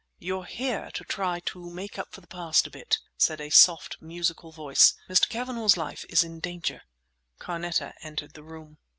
"You're here to try to make up for the past a bit!" said a soft, musical voice. "Mr. Cavanagh's life is in danger." Carneta entered the room.